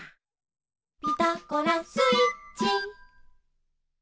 「ピタゴラスイッチ」